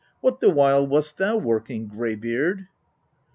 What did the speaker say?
What, the while, wast thou working, Greybeard